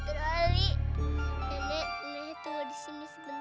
putri harus bawa nenek ke rumah seakin